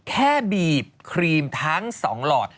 บีบครีมทั้ง๒หลอด